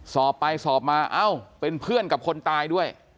สอบไปสอบมาเอ้าเป็นเพื่อนกับคนตายด้วย